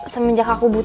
semenjak aku buta